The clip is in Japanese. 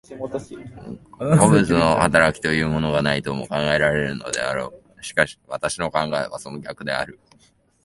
個物の働きというものがないとも考えられるであろう。しかし私の考えはその逆である。